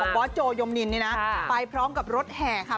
บอสโจยมนินนี่นะไปพร้อมกับรถแห่ค่ะ